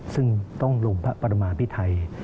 ซึ่งต้องลงพระปรมาพิไทย